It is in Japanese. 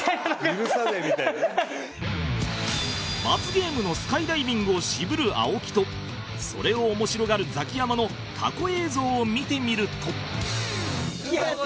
罰ゲームのスカイダイビングを渋る青木とそれを面白がるザキヤマの過去映像を見てみると